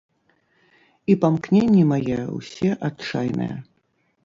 І памкненні мае ўсе адчайныя.